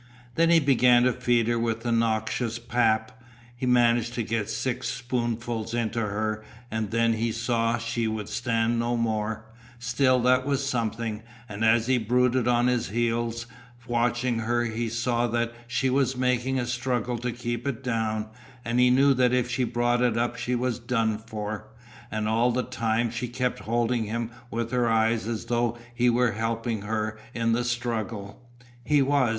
Then he began to feed her with the noxious pap. He managed to get six spoonfuls "into her" and then he saw she would stand no more; still, that was something, and as he brooded on his heels watching her he saw that she was making a struggle to keep it down, and he knew that if she brought it up she was done for. And all the time she kept holding him with her eyes as though he were helping her in the struggle. He was.